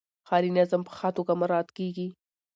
ښاري نظم په ښه توګه مراعات کیږي.